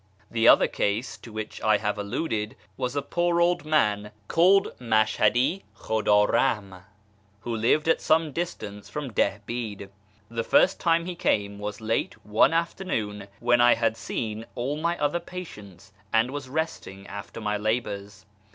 The other case to which I have alluded was a poor old man, called Mashhadi Khuda Eahm, who lived at some dis tance from Dihbid. The first time he came was late one after noon, when I had seen all my other patients, and was resting after my labours.